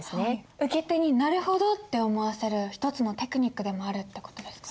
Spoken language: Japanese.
受け手に「なるほど」って思わせる一つのテクニックでもあるって事ですね。